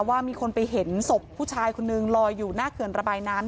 ว่ามีคนไปเห็นศพผู้ชายคนนึงลอยอยู่หน้าเขื่อนระบายน้ำ